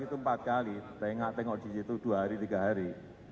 itu empat kali tengok tengok di situ dua hari tiga hari